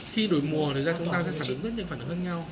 khi đổi mùa thì da chúng ta sẽ phản ứng rất nhiều phản ứng khác nhau